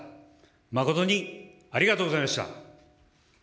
誠にありがとうございました。